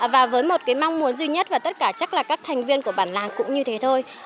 và với một cái mong muốn duy nhất và tất cả chắc là các thành viên của bản làng cũng như thế thôi